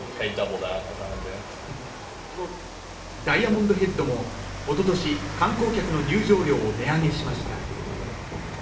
ダイヤモンドヘッドもおととし観光客の入場料を値上げしました